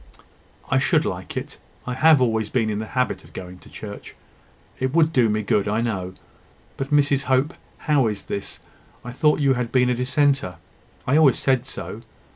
"I should like it... I have always been in the habit of going to church... It would do me good, I know. But, Mrs Hope, how is this? I thought you had been a dissenter. I always said so.